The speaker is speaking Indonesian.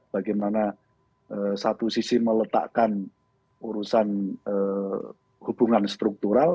bagaimana satu sisi meletakkan urusan hubungan struktural